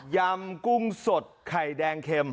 ำกุ้งสดไข่แดงเข็ม